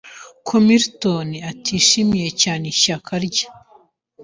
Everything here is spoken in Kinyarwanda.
ko Milton atishimiye cyane ishyaka rye